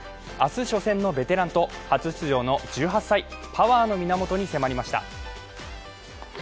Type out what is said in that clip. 明日初戦のベテランと、初出場の１８歳、パワーの源に迫りました。